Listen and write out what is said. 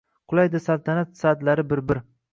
Qulaydi saltanat sadlari bir-bir